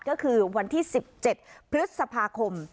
ก็คือวันที่๑๗พฤษภาคม